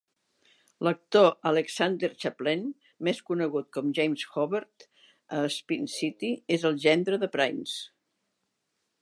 L'actor Alexander Chaplin, més conegut com James Hobert a "Spin City", és el gendre de Prince.